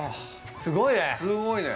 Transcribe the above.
すごいね！